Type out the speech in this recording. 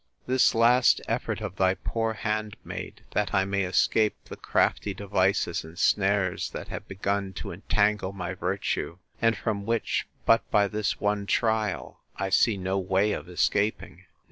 this last effort of thy poor handmaid! that I may escape the crafty devices and snares that have begun to entangle my virtue; and from which, but by this one trial, I see no way of escaping.